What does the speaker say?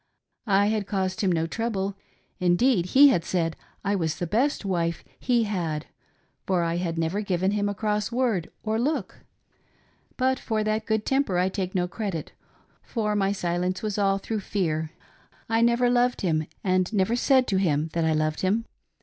I had caused him no trouble ; indeed, he had said I was the best wife he had, for I had never given him a cross word or look. But for that good temper I take no credit, for my silence was all through fear. I never loved him and never said to him that I loved him.